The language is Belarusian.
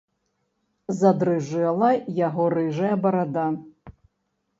Задрыжэла яго рыжая барада.